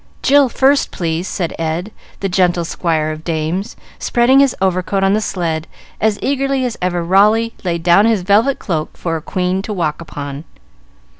"Jill first, please, sir," said Ed, the gentle squire of dames, spreading his overcoat on the sled as eagerly as ever Raleigh laid down his velvet cloak for a queen to walk upon.